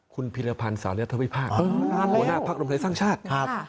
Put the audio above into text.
คุณพิระพันธ์ศาเลียสาวิภาคหัวหน้าภักดิ์ภาคนมชัยสร้างชาติ